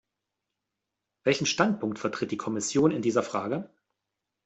Welchen Standpunkt vertritt die Kommission in dieser Frage?